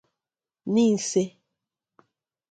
Nise